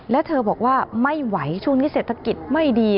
แล้วเธอบอกว่าไม่ไหวช่วงนี้เศรษฐกิจไม่ดี